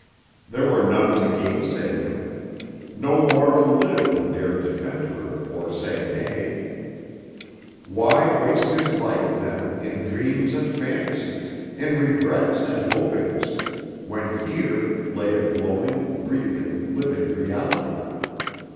There were none to gainsay him. No mortal lived who dared defend her or say nay. Why waste his life, then, in dreams and fantasies, in regrets, and hopings, when here lay a glowing, breathing, living reality?